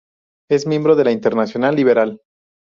Es miembro de la Internacional Liberal.